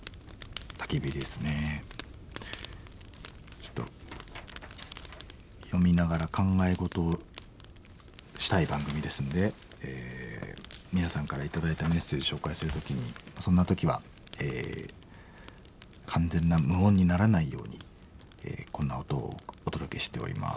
ちょっと読みながら考え事をしたい番組ですんで皆さんから頂いたメッセージ紹介する時にそんな時は完全な無音にならないようにこんな音をお届けしております。